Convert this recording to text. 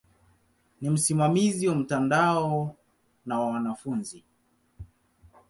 Ni msimamizi wa mtandao na wa wanafunzi.